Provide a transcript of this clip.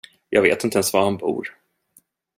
Jag vet inte ens var han bor.